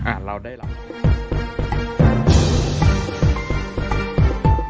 อ่าเราได้แล้ว